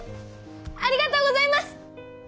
ありがとうございます！